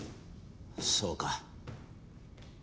そうか。